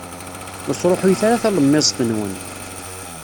Ur sṛuḥuyet ara talemmiẓt-nwen.